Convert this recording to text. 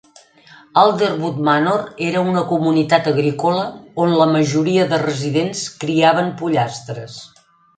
Alderwood Manor era una comunitat agrícola on la majoria de residents criaven pollastres.